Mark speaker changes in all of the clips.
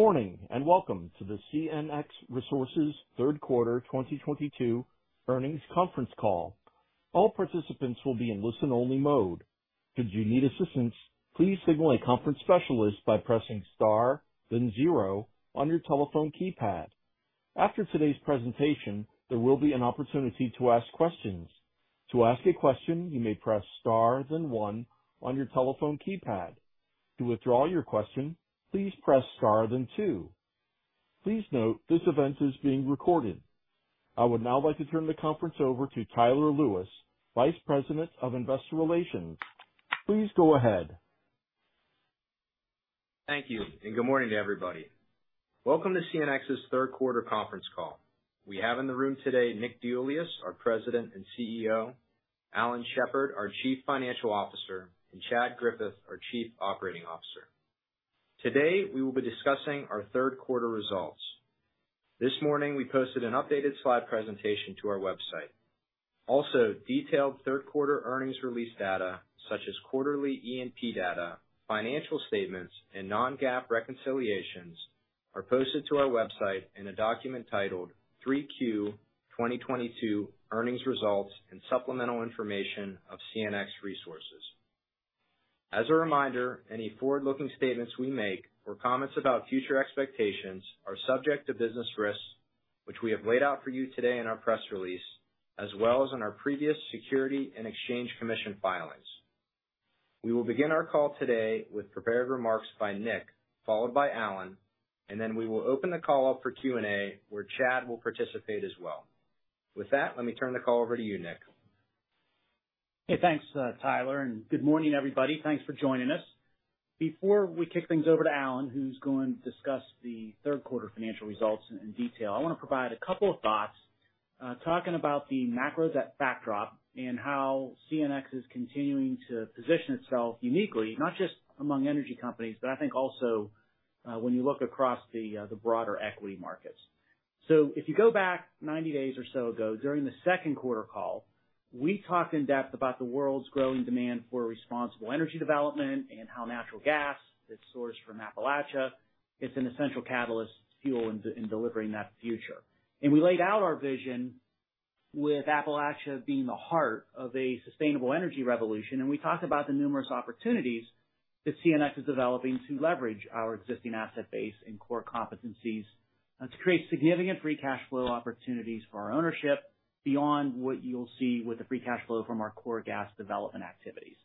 Speaker 1: Good morning, and welcome to the CNX Resources third quarter 2022 earnings conference call. All participants will be in listen-only mode. Should you need assistance, please signal a conference specialist by pressing Star, then zero on your telephone keypad. After today's presentation, there will be an opportunity to ask questions. To ask a question, you may press star then one on your telephone keypad. To withdraw your question, please press star then two. Please note this event is being recorded. I would now like to turn the conference over to Tyler Lewis, Vice President of Investor Relations. Please go ahead.
Speaker 2: Thank you, and good morning to everybody. Welcome to CNX's third quarter conference call. We have in the room today Nick Deiuliis, our President and CEO, Alan Shepard, our Chief Financial Officer, and Chad Griffith, our Chief Operating Officer. Today, we will be discussing our third quarter results. This morning, we posted an updated slide presentation to our website. Also, detailed third quarter earnings release data such as quarterly E&P data, financial statements, and non-GAAP reconciliations are posted to our website in a document titled, "3Q 2022 earnings results and supplemental information of CNX Resources." As a reminder, any forward-looking statements we make or comments about future expectations are subject to business risks, which we have laid out for you today in our press release, as well as in our previous Securities and Exchange Commission filings. We will begin our call today with prepared remarks by Nick, followed by Alan, and then we will open the call up for Q&A, where Chad will participate as well. With that, let me turn the call over to you, Nick.
Speaker 3: Hey. Thanks, Tyler, and good morning, everybody. Thanks for joining us. Before we kick things over to Alan, who's going to discuss the third quarter financial results in detail, I wanna provide a couple of thoughts, talking about the macro set backdrop and how CNX is continuing to position itself uniquely, not just among energy companies, but I think also, when you look across the broader equity markets. If you go back 90 days or so ago, during the second quarter call, we talked in depth about the world's growing demand for responsible energy development and how natural gas that's sourced from Appalachia is an essential catalyst fuel in delivering that future. We laid out our vision with Appalachia being the heart of a sustainable energy revolution, and we talked about the numerous opportunities that CNX is developing to leverage our existing asset base and core competencies to create significant free cash flow opportunities for our ownership beyond what you'll see with the free cash flow from our core gas development activities.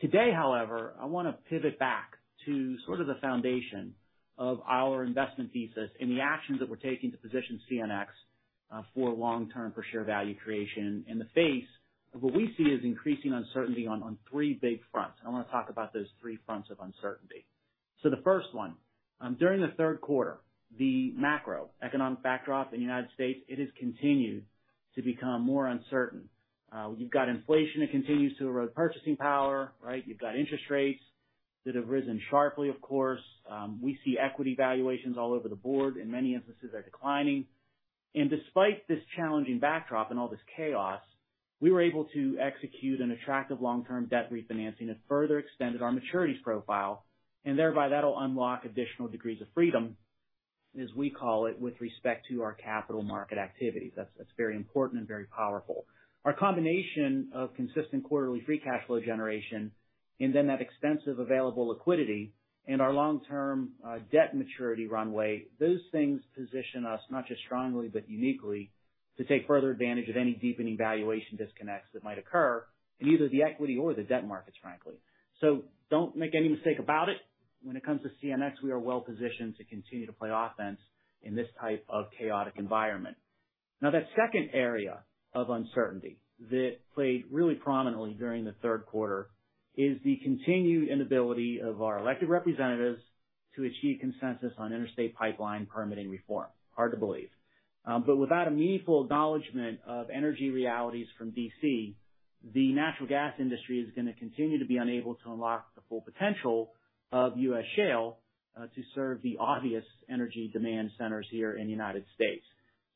Speaker 3: Today, however, I wanna pivot back to sort of the foundation of our investment thesis and the actions that we're taking to position CNX for long-term per share value creation in the face of what we see as increasing uncertainty on three big fronts, and I wanna talk about those three fronts of uncertainty. The first one, during the third quarter, the macroeconomic backdrop in the United States, it has continued to become more uncertain. You've got inflation that continues to erode purchasing power, right? You've got interest rates that have risen sharply, of course. We see equity valuations all over the board, in many instances are declining. Despite this challenging backdrop and all this chaos, we were able to execute an attractive long-term debt refinancing that further extended our maturities profile, and thereby that'll unlock additional degrees of freedom, as we call it, with respect to our capital market activities. That's very important and very powerful. Our combination of consistent quarterly free cash flow generation and then that extensive available liquidity and our long-term debt maturity runway, those things position us not just strongly, but uniquely, to take further advantage of any deepening valuation disconnects that might occur in either the equity or the debt markets, frankly. Don't make any mistake about it. When it comes to CNX, we are well positioned to continue to play offense in this type of chaotic environment. Now, that second area of uncertainty that played really prominently during the third quarter is the continued inability of our elected representatives to achieve consensus on interstate pipeline permitting reform. Hard to believe. Without a meaningful acknowledgement of energy realities from D.C., the natural gas industry is gonna continue to be unable to unlock the full potential of U.S. shale to serve the obvious energy demand centers here in the United States.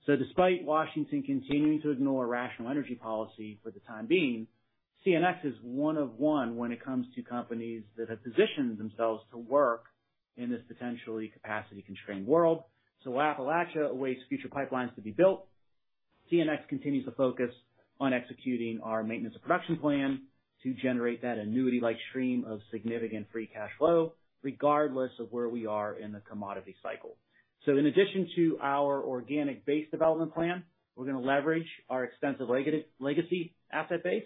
Speaker 3: Despite Washington continuing to ignore rational energy policy for the time being, CNX is one of one when it comes to companies that have positioned themselves to work in this potentially capacity-constrained world. Appalachia awaits future pipelines to be built. CNX continues to focus on executing our maintenance and production plan to generate that annuity-like stream of significant free cash flow, regardless of where we are in the commodity cycle. In addition to our organic base development plan, we're gonna leverage our extensive legacy asset base,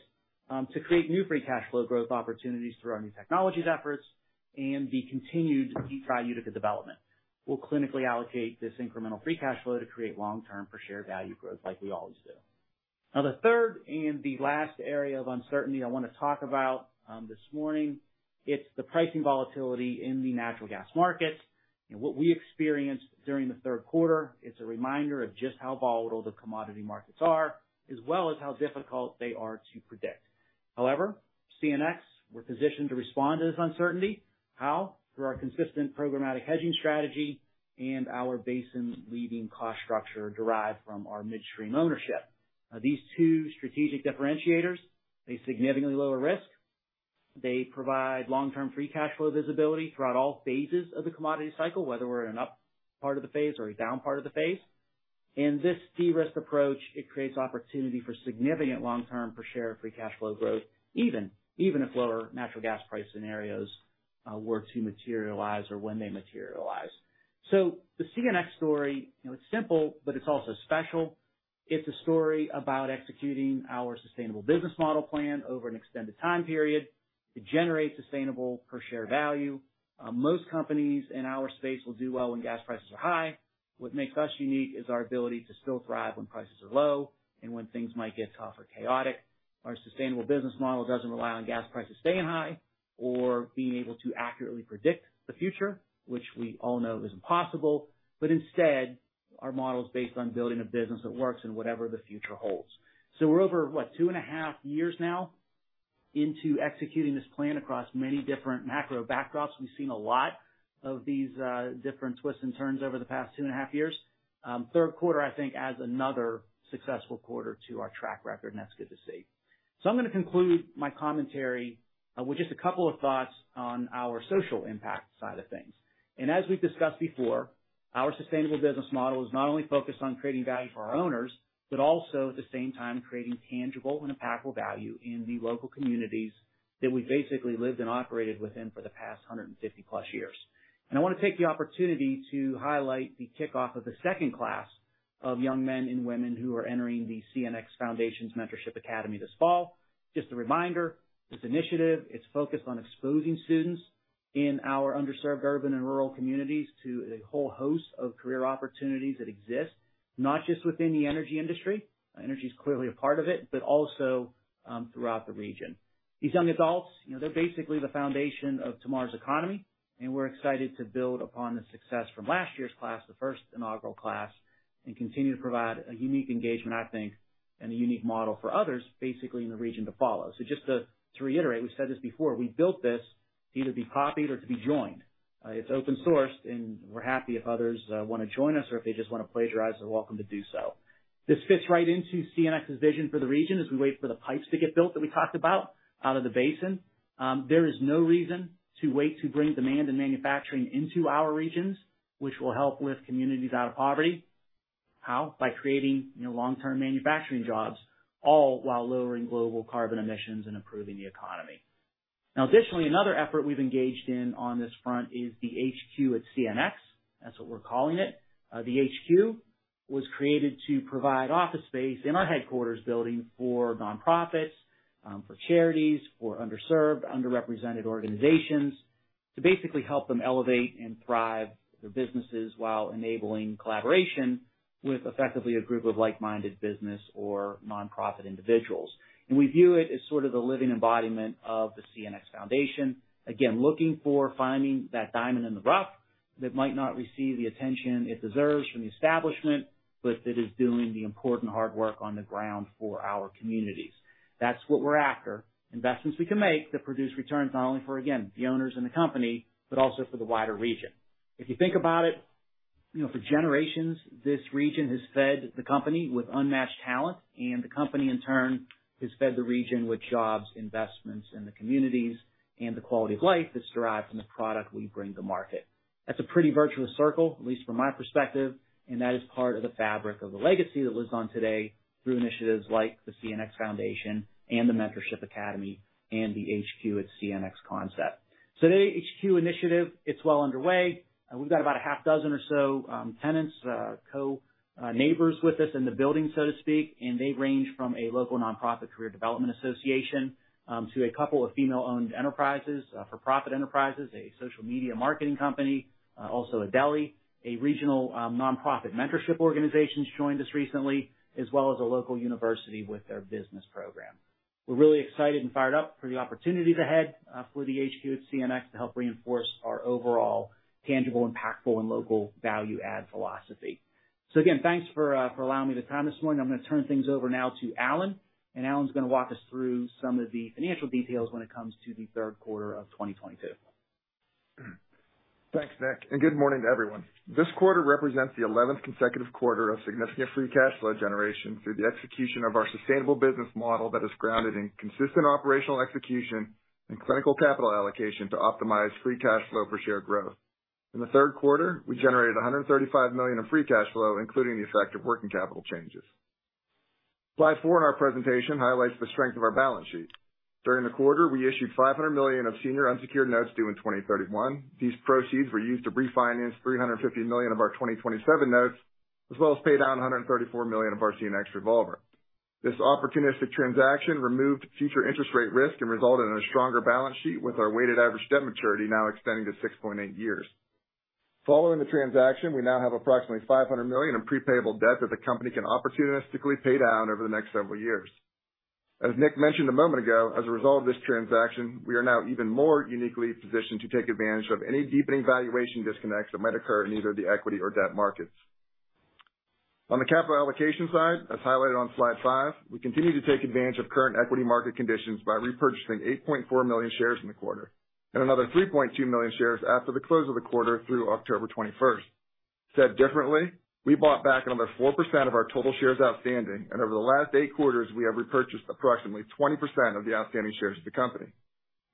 Speaker 3: to create new free cash flow growth opportunities through our new technologies efforts and the continued Utica development. We'll clinically allocate this incremental free cash flow to create long-term per share value growth like we always do. Now, the third and the last area of uncertainty I wanna talk about, this morning, it's the pricing volatility in the natural gas markets. What we experienced during the third quarter, it's a reminder of just how volatile the commodity markets are, as well as how difficult they are to predict. However, CNX, we're positioned to respond to this uncertainty. How? Through our consistent programmatic hedging strategy and our basin-leading cost structure derived from our midstream ownership. Now, these two strategic differentiators face significantly lower risk. They provide long-term free cash flow visibility throughout all phases of the commodity cycle, whether we're in an up part of the phase or a down part of the phase. This de-risk approach, it creates opportunity for significant long-term per share free cash flow growth, even if lower natural gas price scenarios were to materialize or when they materialize. The CNX story, you know, it's simple, but it's also special. It's a story about executing our sustainable business model plan over an extended time period to generate sustainable per share value. Most companies in our space will do well when gas prices are high. What makes us unique is our ability to still thrive when prices are low and when things might get tough or chaotic. Our sustainable business model doesn't rely on gas prices staying high or being able to accurately predict the future, which we all know is impossible. Instead, our model is based on building a business that works in whatever the future holds. We're over, what? 2.5 years now into executing this plan across many different macro backdrops. We've seen a lot of these different twists and turns over the past 2.5 years. Third quarter, I think adds another successful quarter to our track record, and that's good to see. I'm gonna conclude my commentary with just a couple of thoughts on our social impact side of things. As we've discussed before, our sustainable business model is not only focused on creating value for our owners, but also at the same time, creating tangible and impactful value in the local communities that we basically lived and operated within for the past 150+ years. I wanna take the opportunity to highlight the kickoff of the second class of young men and women who are entering the CNX Foundation's Mentorship Academy this fall. Just a reminder, this initiative, it's focused on exposing students in our underserved urban and rural communities to a whole host of career opportunities that exist, not just within the energy industry, energy is clearly a part of it, but also throughout the region. These young adults, you know, they're basically the foundation of tomorrow's economy, and we're excited to build upon the success from last year's class, the first inaugural class, and continue to provide a unique engagement, I think, and a unique model for others, basically in the region to follow. Just to reiterate, we said this before, we built this to either be copied or to be joined. It's open-sourced, and we're happy if others wanna join us or if they just wanna plagiarize, they're welcome to do so. This fits right into CNX's vision for the region as we wait for the pipes to get built that we talked about out of the basin. There is no reason to wait to bring demand and manufacturing into our regions, which will help lift communities out of poverty. How? By creating, you know, long-term manufacturing jobs, all while lowering global carbon emissions and improving the economy. Now, additionally, another effort we've engaged in on this front is the Headquarters at CNX. That's what we're calling it. The HQ was created to provide office space in our headquarters building for nonprofits, for charities, for underserved, underrepresented organizations to basically help them elevate and thrive their businesses while enabling collaboration with effectively a group of like-minded business or nonprofit individuals. We view it as sort of the living embodiment of the CNX Foundation. Again, looking for finding that diamond in the rough that might not receive the attention it deserves from the establishment, but that is doing the important hard work on the ground for our communities. That's what we're after. Investments we can make that produce returns not only for, again, the owners and the company, but also for the wider region. If you think about it, you know, for generations, this region has fed the company with unmatched talent, and the company in turn, has fed the region with jobs, investments in the communities, and the quality of life that's derived from the product we bring to market. That's a pretty virtuous circle, at least from my perspective, and that is part of the fabric of the legacy that lives on today through initiatives like the CNX Foundation and the Mentorship Academy and the Headquarters at CNX concept. Today's HQ initiative, it's well underway. We've got about a half dozen or so, tenants, neighbors with us in the building, so to speak, and they range from a local nonprofit career development association, to a couple of female-owned enterprises, for-profit enterprises, a social media marketing company, also a deli, a regional, nonprofit mentorship organization's joined us recently, as well as a local university with their business program. We're really excited and fired up for the opportunities ahead, for the Headquarters at CNX to help reinforce our overall tangible, impactful, and local value add philosophy. Again, thanks for allowing me the time this morning. I'm gonna turn things over now to Alan, and Alan's gonna walk us through some of the financial details when it comes to the third quarter of 2022.
Speaker 4: Thanks, Nick, and good morning to everyone. This quarter represents the eleventh consecutive quarter of significant free cash flow generation through the execution of our sustainable business model that is grounded in consistent operational execution and clinical capital allocation to optimize free cash flow per share growth. In the third quarter, we generated $135 million in free cash flow, including the effect of working capital changes. Slide four in our presentation highlights the strength of our balance sheet. During the quarter, we issued $500 million of senior unsecured notes due in 2031. These proceeds were used to refinance $350 million of our 2027 notes, as well as pay down $134 million of our CNX revolver. This opportunistic transaction removed future interest rate risk and resulted in a stronger balance sheet with our weighted average debt maturity now extending to 6.8 years. Following the transaction, we now have approximately $500 million in pre-payable debt that the company can opportunistically pay down over the next several years. As Nick mentioned a moment ago, as a result of this transaction, we are now even more uniquely positioned to take advantage of any deepening valuation disconnects that might occur in either the equity or debt markets. On the capital allocation side, as highlighted on slide 5, we continue to take advantage of current equity market conditions by repurchasing 8.4 million shares in the quarter, and another 3.2 million shares after the close of the quarter through October 21st. Said differently, we bought back another 4% of our total shares outstanding, and over the last eight quarters, we have repurchased approximately 20% of the outstanding shares of the company.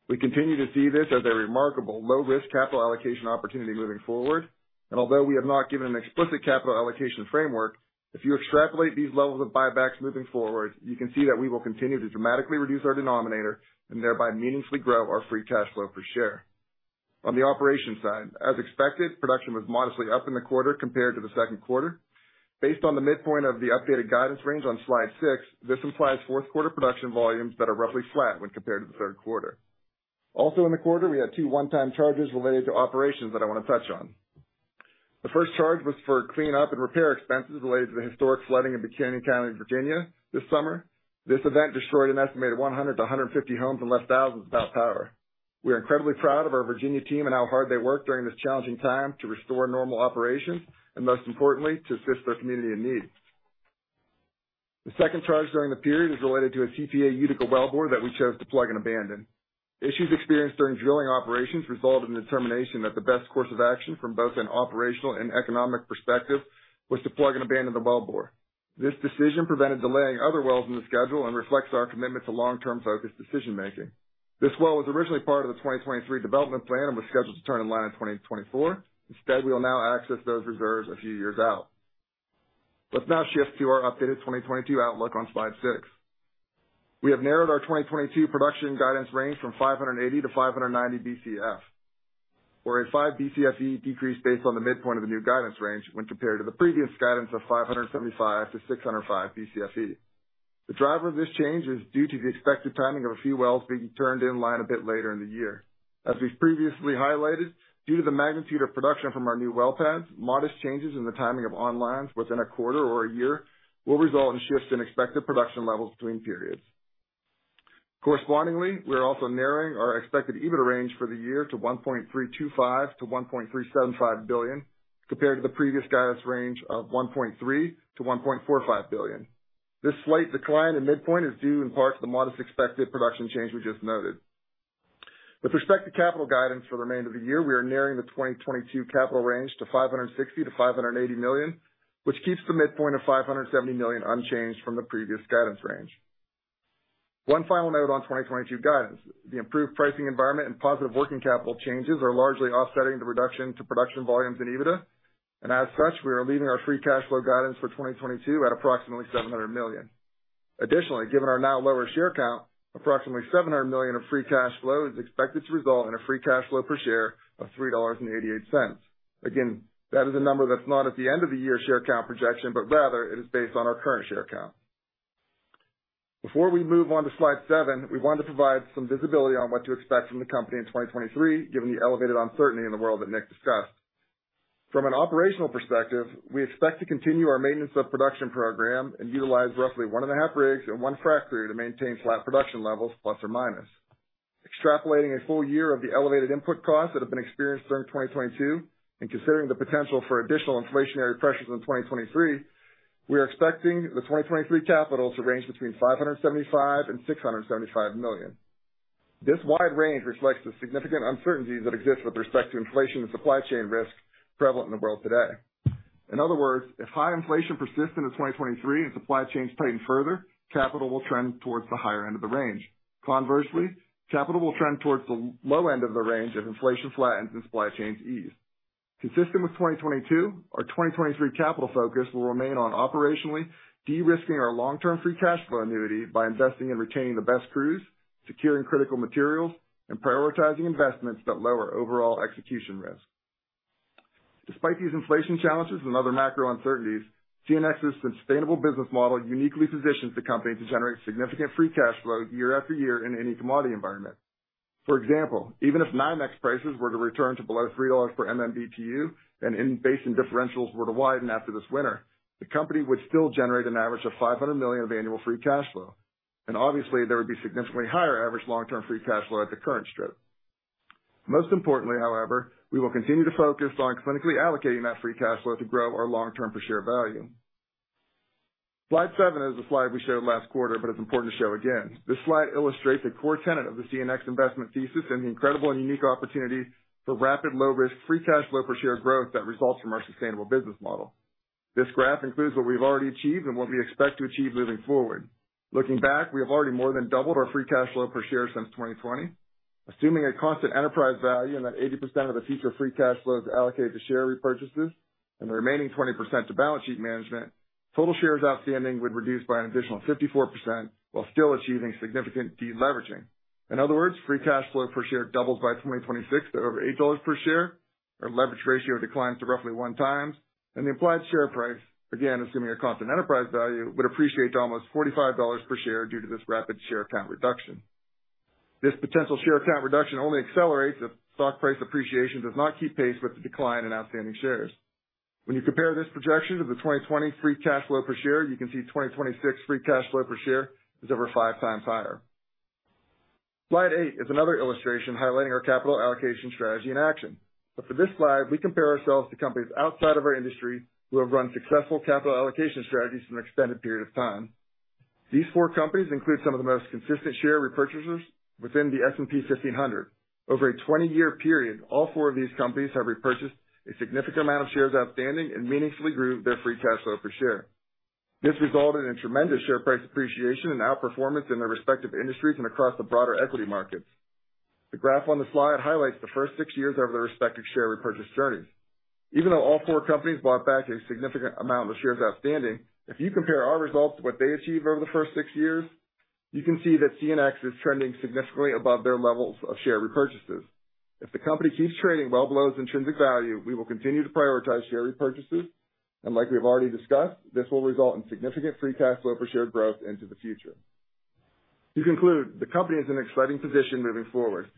Speaker 4: We continue to see this as a remarkable low-risk capital allocation opportunity moving forward. Although we have not given an explicit capital allocation framework, if you extrapolate these levels of buybacks moving forward, you can see that we will continue to dramatically reduce our denominator and thereby meaningfully grow our free cash flow per share. On the operations side, as expected, production was modestly up in the quarter compared to the second quarter. Based on the midpoint of the updated guidance range on slide six, this implies fourth quarter production volumes that are roughly flat when compared to the third quarter. Also in the quarter, we had two one-time charges related to operations that I wanna touch on. The first charge was for cleanup and repair expenses related to the historic flooding in Buchanan County, Virginia this summer. This event destroyed an estimated 100-150 homes and left thousands without power. We are incredibly proud of our Virginia team and how hard they worked during this challenging time to restore normal operations, and most importantly, to assist their community in need. The second charge during the period is related to a CPA Utica wellbore that we chose to plug and abandon. Issues experienced during drilling operations resulted in a determination that the best course of action from both an operational and economic perspective was to plug and abandon the wellbore. This decision prevented delaying other wells in the schedule and reflects our commitment to long-term focused decision-making. This well was originally part of the 2023 development plan and was scheduled to turn in line in 2024. Instead, we will now access those reserves a few years out. Let's now shift to our updated 2022 outlook on slide six. We have narrowed our 2022 production guidance range from 580 to 590 Bcf, or a 5 Bcfe decrease based on the midpoint of the new guidance range when compared to the previous guidance of 575 to 605 Bcfe. The driver of this change is due to the expected timing of a few wells being turned in line a bit later in the year. As we've previously highlighted, due to the magnitude of production from our new well pads, modest changes in the timing of onlines within a quarter or a year will result in shifts in expected production levels between periods. Correspondingly, we are also narrowing our expected EBITDA range for the year to $1.325 billion-$1.375 billion, compared to the previous guidance range of $1.3 billion-$1.45 billion. This slight decline in midpoint is due in part to the modest expected production change we just noted. With respect to capital guidance for the remainder of the year, we are narrowing the 2022 capital range to $560 million-$580 million, which keeps the midpoint of $570 million unchanged from the previous guidance range. One final note on 2022 guidance. The improved pricing environment and positive working capital changes are largely offsetting the reduction to production volumes in EBITDA, and as such, we are leaving our free cash flow guidance for 2022 at approximately $700 million. Additionally, given our now lower share count, approximately $700 million of free cash flow is expected to result in a free cash flow per share of $3.88. Again, that is a number that's not at the end of the year share count projection, but rather it is based on our current share count. Before we move on to slide seven, we wanted to provide some visibility on what to expect from the company in 2023, given the elevated uncertainty in the world that Nick discussed. From an operational perspective, we expect to continue our maintenance of production program and utilize roughly 1.5 rigs and 1 frack crew to maintain flat production levels ±. Extrapolating a full year of the elevated input costs that have been experienced during 2022, and considering the potential for additional inflationary pressures in 2023, we are expecting the 2023 capital to range between $575 million and $675 million. This wide range reflects the significant uncertainties that exist with respect to inflation and supply chain risks prevalent in the world today. In other words, if high inflation persists into 2023 and supply chains tighten further, capital will trend towards the higher end of the range. Conversely, capital will trend towards the low end of the range if inflation flattens and supply chains ease. Consistent with 2022, our 2023 capital focus will remain on operationally de-risking our long-term free cash flow annuity by investing and retaining the best crews, securing critical materials, and prioritizing investments that lower overall execution risk. Despite these inflation challenges and other macro uncertainties, CNX's sustainable business model uniquely positions the company to generate significant free cash flow year after year in any commodity environment. For example, even if NYMEX prices were to return to below $3 per MMBtu, and in-basin differentials were to widen after this winter, the company would still generate an average of $500 million of annual free cash flow. Obviously, there would be significantly higher average long-term free cash flow at the current strip. Most importantly, however, we will continue to focus on disciplined allocating that free cash flow to grow our long-term per share value. Slide seven is a slide we showed last quarter, but it's important to show again. This slide illustrates a core tenet of the CNX investment thesis and the incredible and unique opportunity for rapid low risk free cash flow per share growth that results from our sustainable business model. This graph includes what we've already achieved and what we expect to achieve moving forward. Looking back, we have already more than doubled our free cash flow per share since 2020. Assuming a constant enterprise value and that 80% of the future free cash flow is allocated to share repurchases and the remaining 20% to balance sheet management, total shares outstanding would reduce by an additional 54% while still achieving significant de-leveraging. In other words, free cash flow per share doubles by 2026 to over $8 per share. Our leverage ratio declines to roughly 1x. The implied share price, again, assuming a constant enterprise value, would appreciate to almost $45 per share due to this rapid share count reduction. This potential share count reduction only accelerates if stock price appreciation does not keep pace with the decline in outstanding shares. When you compare this projection to the 2020 free cash flow per share, you can see 2026 free cash flow per share is over 5x higher. Slide eight is another illustration highlighting our capital allocation strategy in action, but for this slide, we compare ourselves to companies outside of our industry who have run successful capital allocation strategies for an extended period of time. These four companies include some of the most consistent share repurchasers within the S&P 1500. Over a 20-year period, all four of these companies have repurchased a significant amount of shares outstanding and meaningfully grew their free cash flow per share. This resulted in tremendous share price appreciation and outperformance in their respective industries and across the broader equity markets. The graph on the slide highlights the first six years of their respective share repurchase journeys. Even though all four companies bought back a significant amount of shares outstanding, if you compare our results to what they achieved over the first six years, you can see that CNX is trending significantly above their levels of share repurchases. If the company keeps trading well below its intrinsic value, we will continue to prioritize share repurchases, and like we've already discussed, this will result in significant free cash flow per share growth into the future. To conclude, the company is in an exciting position moving forward.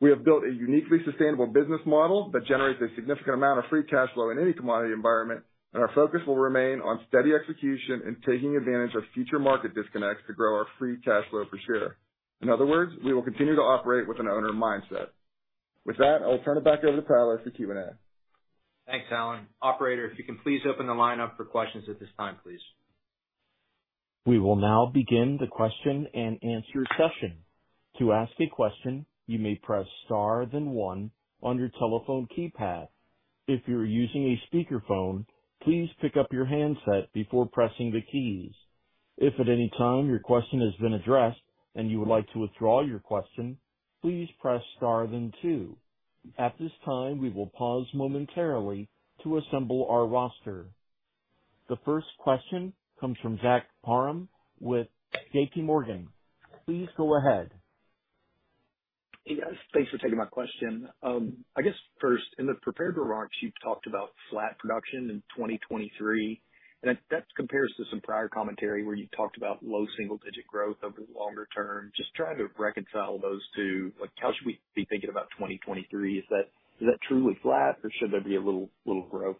Speaker 4: We have built a uniquely sustainable business model that generates a significant amount of free cash flow in any commodity environment, and our focus will remain on steady execution and taking advantage of future market disconnects to grow our free cash flow per share. In other words, we will continue to operate with an owner mindset. With that, I'll turn it back over to Tyler for Q&A.
Speaker 2: Thanks, Alan. Operator, if you can please open the line up for questions at this time, please.
Speaker 1: We will now begin the question and answer session. To ask a question, you may press star then one on your telephone keypad. If you're using a speakerphone, please pick up your handset before pressing the keys. If at any time your question has been addressed and you would like to withdraw your question, please press star then two. At this time, we will pause momentarily to assemble our roster. The first question comes from Zach Parham with JPMorgan. Please go ahead.
Speaker 5: Hey, guys. Thanks for taking my question. I guess first, in the prepared remarks, you talked about flat production in 2023, and that compares to some prior commentary where you talked about low single-digit growth over the longer term. Just trying to reconcile those two. Like how should we be thinking about 2023? Is that truly flat or should there be a little growth?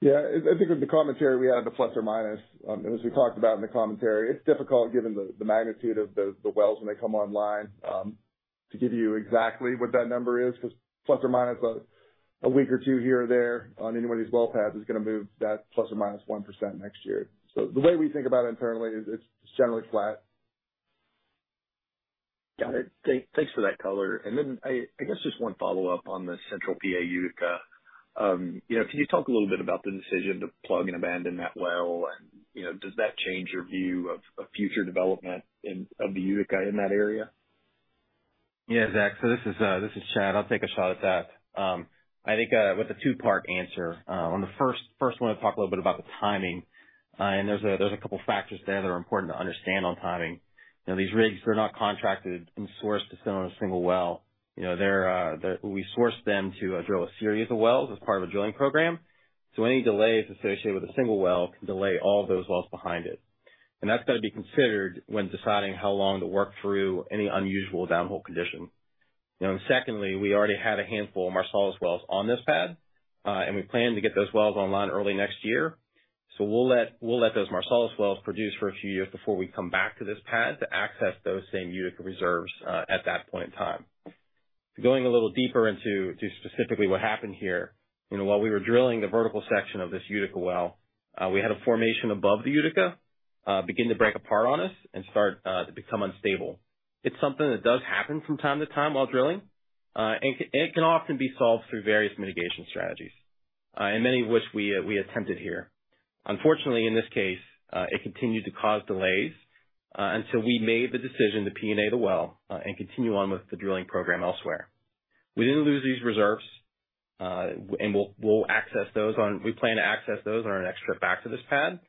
Speaker 4: Yeah, I think in the commentary we added a plus or minus. As we talked about in the commentary, it's difficult, given the magnitude of the wells when they come online, to give you exactly what that number is, 'cause plus or minus a week or two here or there on any of these well pads is gonna move that ±1% next year. The way we think about it internally is it's generally flat.
Speaker 5: Got it. Thanks for that color. I guess just one follow-up on the central PA Utica. You know, can you talk a little bit about the decision to plug and abandon that well? You know, does that change your view of future development in the Utica in that area?
Speaker 6: Yeah, Zach, this is Chad. I'll take a shot at that. I think with a two-part answer. On the first one, I'll talk a little bit about the timing. There's a couple factors there that are important to understand on timing. You know, these rigs are not contracted and sourced to sit on a single well. You know, we source them to drill a series of wells as part of a drilling program. Any delays associated with a single well can delay all those wells behind it. That's got to be considered when deciding how long to work through any unusual downhole condition. You know, secondly, we already had a handful of Marcellus wells on this pad, and we plan to get those wells online early next year. We'll let those Marcellus wells produce for a few years before we come back to this pad to access those same Utica reserves at that point in time. Going a little deeper into specifically what happened here, you know, while we were drilling the vertical section of this Utica well, we had a formation above the Utica begin to break apart on us and start to become unstable. It's something that does happen from time to time while drilling, and it can often be solved through various mitigation strategies, and many of which we attempted here. Unfortunately, in this case, it continued to cause delays until we made the decision to P&A the well and continue on with the drilling program elsewhere. We didn't lose these reserves, and we plan to access those on our next trip back to this pad.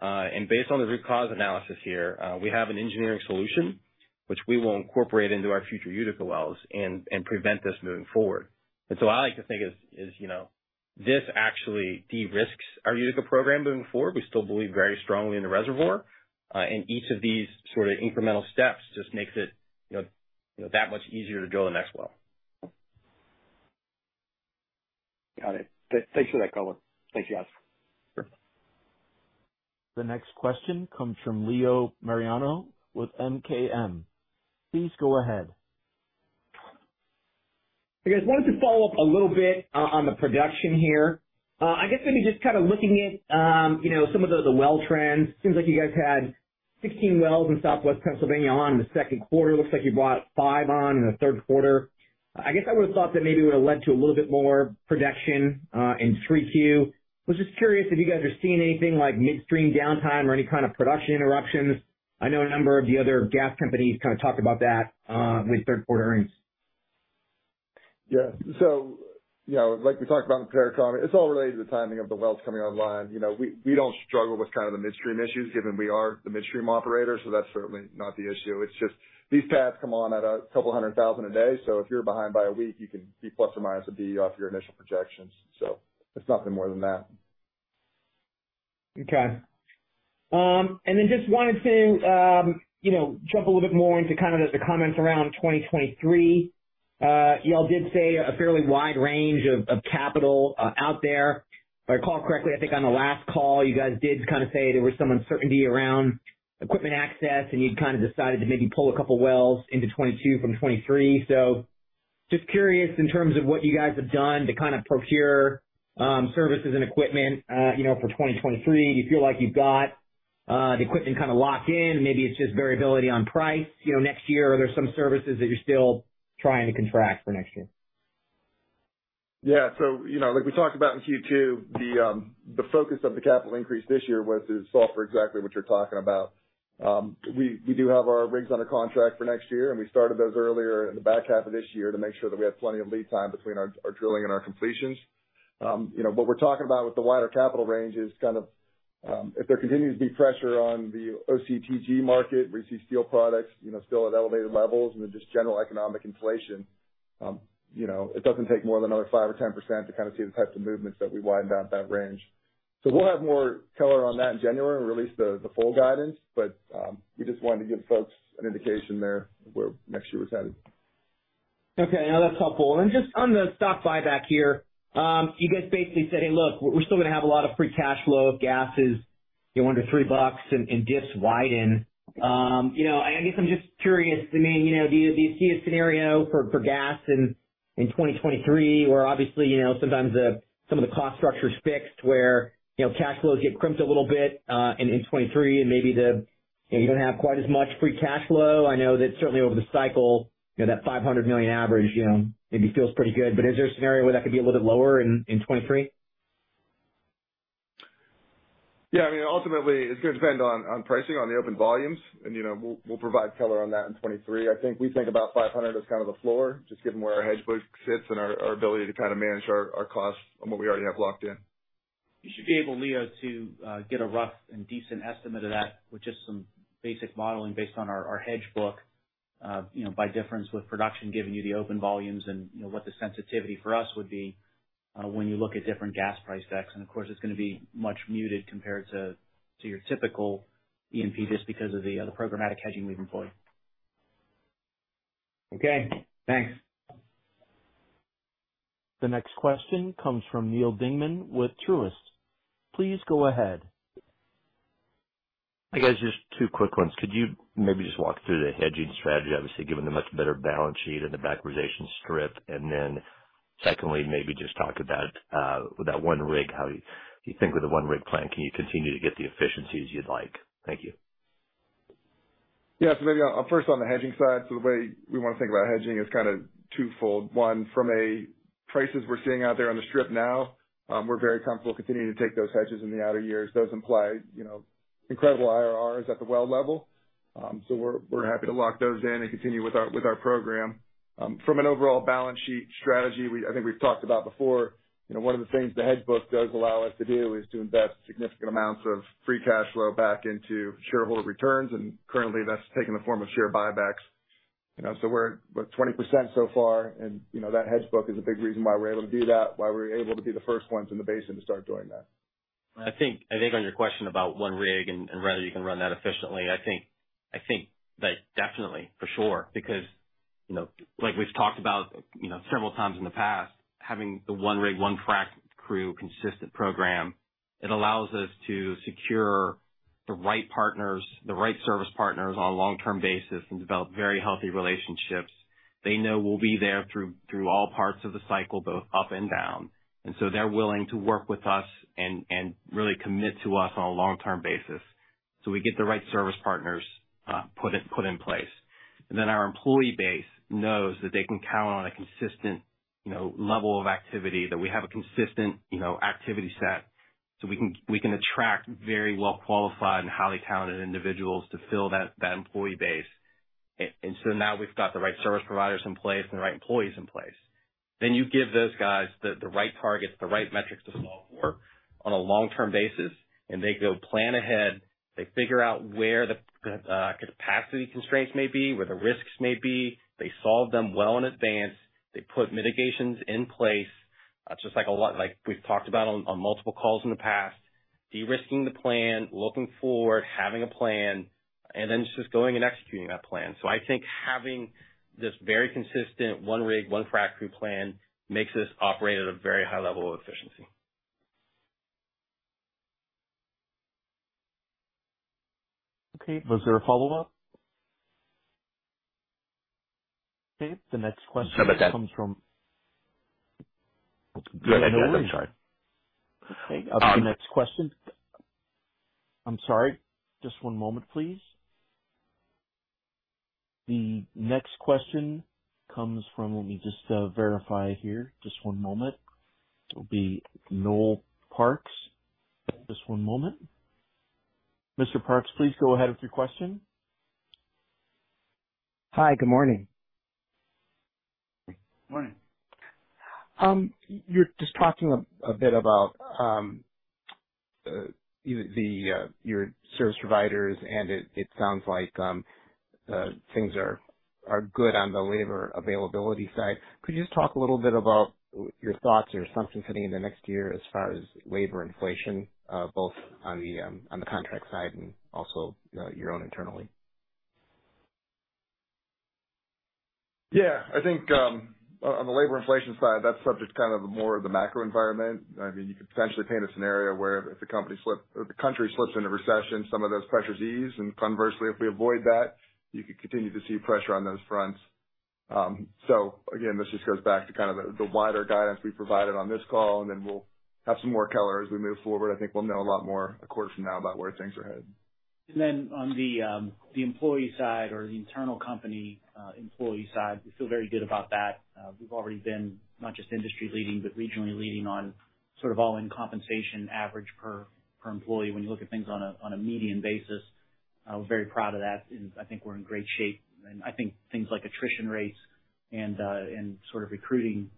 Speaker 6: Based on the root cause analysis here, we have an engineering solution which we will incorporate into our future Utica wells and prevent this moving forward. I like to think, as you know, this actually de-risks our Utica program moving forward. We still believe very strongly in the reservoir, and each of these sort of incremental steps just makes it, you know, that much easier to drill the next well.
Speaker 5: Got it. Thanks for that color. Thanks, guys.
Speaker 6: Sure.
Speaker 1: The next question comes from Leo Mariani with MKM. Please go ahead.
Speaker 7: Hey, guys. Wanted to follow up a little bit on the production here. I guess maybe just kind of looking at, you know, some of the well trends. Seems like you guys had 16 wells in southwest Pennsylvania online in the second quarter. Looks like you brought 5 online in the third quarter. I guess I would've thought that maybe would've led to a little bit more production in 3Q. Was just curious if you guys are seeing anything like midstream downtime or any kind of production interruptions. I know a number of the other gas companies kind of talked about that in their third quarter earnings. Yeah. You know, like we talked about in the prepared comment, it's all related to the timing of the wells coming online.
Speaker 4: You know, we don't struggle with kind of the midstream issues given we are the midstream operator, so that's certainly not the issue. It's just these pads come on at 200,000 a day, so if you're behind by a week, you can be ± a B off your initial projections. It's nothing more than that.
Speaker 7: Okay. Just wanted to, you know, jump a little bit more into kind of the comments around 2023. Y'all did say a fairly wide range of capital out there. If I recall correctly, I think on the last call, you guys did kind of say there was some uncertainty around equipment access, and you'd kind of decided to maybe pull a couple wells into 2022 from 2023. Just curious in terms of what you guys have done to kind of procure services and equipment, you know, for 2023. Do you feel like you've got the equipment kind of locked in? Maybe it's just variability on price, you know, next year? Are there some services that you're still trying to contract for next year?
Speaker 4: Yeah. You know, like we talked about in Q2, the focus of the capital increase this year was to solve for exactly what you're talking about. We do have our rigs under contract for next year, and we started those earlier in the back half of this year to make sure that we have plenty of lead time between our drilling and our completions. You know, what we're talking about with the wider capital range is kind of if there continues to be pressure on the OCTG market, we see steel products, you know, still at elevated levels and just general economic inflation, you know, it doesn't take more than another five or 10% to kind of see the types of movements that we widened out that range. We'll have more color on that in January when we release the full guidance, but we just wanted to give folks an indication there where next year was headed.
Speaker 7: Okay. No, that's helpful. Just on the stock buyback here, you guys basically said, "Hey, look, we're still gonna have a lot of free cash flow if gas is, you know, under $3 and dips widen." I guess I'm just curious, I mean, you know, do you see a scenario for gas in 2023, where obviously, you know, sometimes some of the cost structure's fixed where, you know, cash flows get crimped a little bit in 2023, and maybe, you know, you don't have quite as much free cash flow. I know that certainly over the cycle, you know, that $500 million average, you know, maybe feels pretty good. Is there a scenario where that could be a little bit lower in 2023?
Speaker 4: Yeah. I mean, ultimately, it's gonna depend on pricing, on the open volumes. You know, we'll provide color on that in 2023. I think we think about 500 as kind of the floor, just given where our hedge book sits and our ability to kind of manage our costs on what we already have locked in.
Speaker 6: You should be able, Leo, to get a rough and decent estimate of that with just some basic modeling based on our hedge book, you know, by difference with production, giving you the open volumes and, you know, what the sensitivity for us would be, when you look at different gas price decks. Of course, it's gonna be much muted compared to your typical E&P just because of the programmatic hedging we've employed.
Speaker 7: Okay, thanks.
Speaker 1: The next question comes from Neal Dingmann with Truist. Please go ahead.
Speaker 8: Hey, guys, just two quick ones. Could you maybe just walk through the hedging strategy, obviously given the much better balance sheet and the backwardation strip? Then secondly, maybe just talk about, with that one rig, how you think with the one-rig plan, can you continue to get the efficiencies you'd like? Thank you.
Speaker 4: Yeah. Maybe I'll first on the hedging side. The way we wanna think about hedging is kinda twofold. One, from the prices we're seeing out there on the strip now, we're very comfortable continuing to take those hedges in the outer years. Those imply, you know, incredible IRRs at the well level. We're happy to lock those in and continue with our program. From an overall balance sheet strategy, I think we've talked about before, you know, one of the things the hedge book does allow us to do is to invest significant amounts of free cash flow back into shareholder returns, and currently that's taking the form of share buybacks. You know, so we're at 20% so far. You know, that hedge book is a big reason why we're able to do that, why we're able to be the first ones in the basin to start doing that.
Speaker 6: I think on your question about one rig and whether you can run that efficiently, I think that definitely for sure, because you know, like we've talked about, you know, several times in the past, having the one rig, one frack crew consistent program, it allows us to secure the right partners, the right service partners on a long-term basis and develop very healthy relationships. They know we'll be there through all parts of the cycle, both up and down. They're willing to work with us and really commit to us on a long-term basis. We get the right service partners put in place. Our employee base knows that they can count on a consistent, you know, level of activity, that we have a consistent, you know, activity set, so we can attract very well-qualified and highly talented individuals to fill that employee base. Now we've got the right service providers in place and the right employees in place. You give those guys the right targets, the right metrics to solve for on a long-term basis, and they go plan ahead. They figure out where the capacity constraints may be, where the risks may be. They solve them well in advance. They put mitigations in place. Just like we've talked about on multiple calls in the past, de-risking the plan, looking forward, having a plan, and then just going and executing that plan. I think having this very consistent one rig, one frack crew plan makes us operate at a very high level of efficiency.
Speaker 1: Okay. Was there a follow-up? Okay. The next question.
Speaker 8: No, that's it.
Speaker 1: Comes from-
Speaker 8: Go ahead. No, I'm sorry.
Speaker 1: Okay. The next question. I'm sorry. Just one moment, please. The next question comes from. Let me just verify here. Just one moment. It'll be Noel Parks. Just one moment. Mr. Parks, please go ahead with your question.
Speaker 9: Hi. Good morning.
Speaker 4: Morning.
Speaker 9: You're just talking a bit about your service providers, and it sounds like things are good on the labor availability side. Could you just talk a little bit about your thoughts, your assumptions heading into next year as far as labor inflation, both on the contract side and also your own internally?
Speaker 4: Yeah. I think on the labor inflation side, that's subject to kind of more of the macro environment. I mean, you could potentially paint a scenario where if the country slips into recession, some of those pressures ease, and conversely, if we avoid that, you could continue to see pressure on those fronts. Again, this just goes back to kind of the wider guidance we provided on this call, and then we'll have some more color as we move forward. I think we'll know a lot more a quarter from now about where things are heading.
Speaker 3: On the employee side or the internal company employee side, we feel very good about that. We've already been not just industry leading, but regionally leading on sort of all-in compensation average per employee when you look at things on a median basis. We're very proud of that, and I think we're in great shape. I think things like attrition rates and sort of recruiting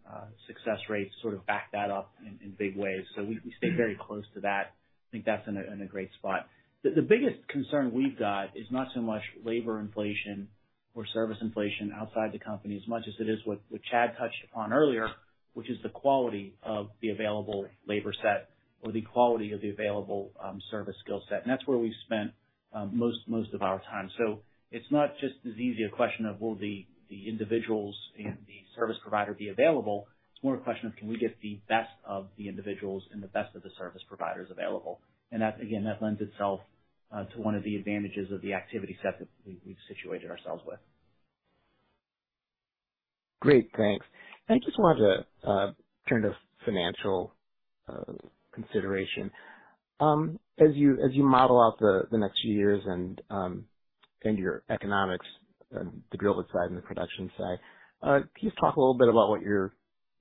Speaker 3: success rates sort of back that up in big ways. We stay very close to that. I think that's in a great spot. The biggest concern we've got is not so much labor inflation or service inflation outside the company as much as it is what Chad touched upon earlier, which is the quality of the available labor set or the quality of the available service skill set, and that's where we've spent most of our time. It's not just as easy a question of will the individuals and the service provider be available, it's more a question of can we get the best of the individuals and the best of the service providers available? That, again, lends itself to one of the advantages of the activity set that we've situated ourselves with.
Speaker 9: Great. Thanks. Just wanted to turn to financial consideration. As you model out the next few years and your economics and the drill bit side and the production side, can you just talk a little bit about what you're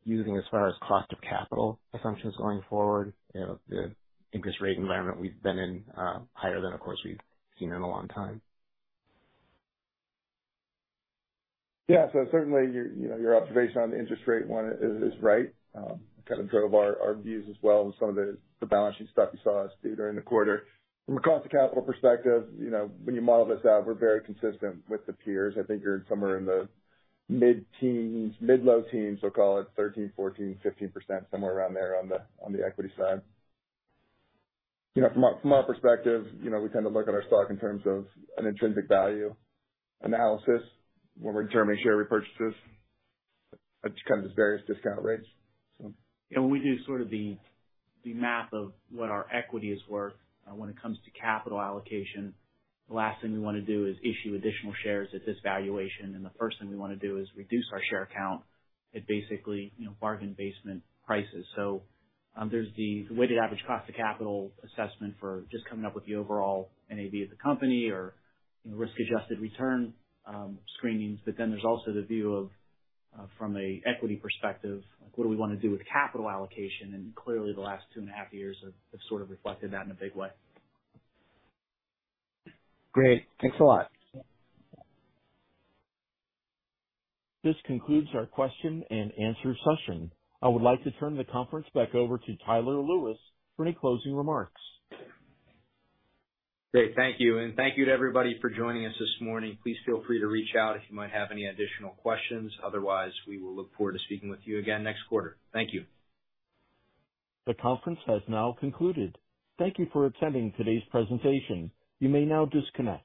Speaker 9: using as far as cost of capital assumptions going forward? You know, the interest rate environment we've been in, higher than, of course, we've seen in a long time.
Speaker 4: Yeah. Certainly your, you know, your observation on the interest rate one is right. It kind of drove our views as well and some of the balancing stuff you saw us do during the quarter. From a cost of capital perspective, you know, when you model this out, we're very consistent with the peers. I think you're somewhere in the mid-teens, mid-low teens, we'll call it 13, 14, 15%, somewhere around there on the equity side. You know, from our perspective, you know, we tend to look at our stock in terms of an intrinsic value analysis when we're determining share repurchases. It's kind of just various discount rates.
Speaker 3: You know, when we do sort of the math of what our equity is worth, when it comes to capital allocation, the last thing we wanna do is issue additional shares at this valuation, and the first thing we wanna do is reduce our share count at basically, you know, bargain basement prices. There's the weighted average cost of capital assessment for just coming up with the overall NAV of the company or, you know, risk-adjusted return screenings. There's also the view from an equity perspective, like what do we wanna do with capital allocation. Clearly the last two and a half years have sort of reflected that in a big way.
Speaker 9: Great. Thanks a lot.
Speaker 3: Yeah.
Speaker 1: This concludes our question and answer session. I would like to turn the conference back over to Tyler Lewis for any closing remarks.
Speaker 2: Great. Thank you, and thank you to everybody for joining us this morning. Please feel free to reach out if you might have any additional questions. Otherwise, we will look forward to speaking with you again next quarter. Thank you.
Speaker 1: The conference has now concluded. Thank you for attending today's presentation. You may now disconnect.